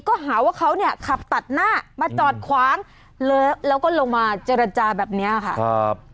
ก็หาว่าเขาเนี่ยขับตัดหน้ามาจอดขวางเลยแล้วก็ลงมาเจรจาแบบนี้ค่ะครับ